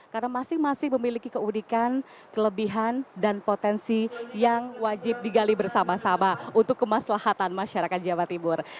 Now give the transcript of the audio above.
karena masing masing memiliki keudikan kelebihan dan potensi yang wajib digali bersama sama untuk kemaslahatan masyarakat jawa tibur